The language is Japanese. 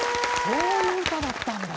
こういう歌だったんだ。